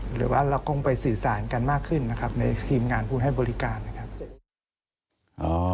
หรือว่าเราคงไปสื่อสารกันมากขึ้นนะครับในทีมงานผู้ให้บริการนะครับ